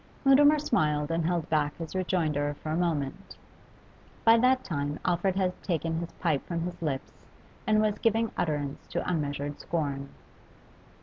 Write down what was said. Mutimer smiled and held back his rejoinder for a moment. By that time Alfred had taken his pipe from his lips and was giving utterance to unmeasured scorn.